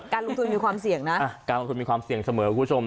ลงทุนมีความเสี่ยงนะการลงทุนมีความเสี่ยงเสมอคุณผู้ชม